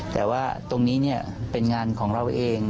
แต่ว่าตรงนี้เป็นงานของเราเอง